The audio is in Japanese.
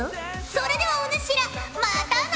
それではお主らまたな！